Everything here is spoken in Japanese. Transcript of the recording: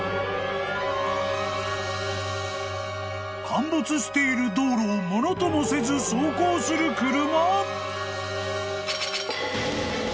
［陥没している道路をものともせず走行する車］